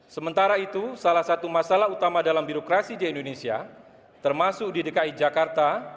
sementara itu salah satu masalah utama dalam birokrasi di indonesia termasuk di dki jakarta